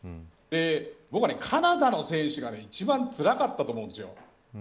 僕はカナダの選手が一番辛かったと思うんです。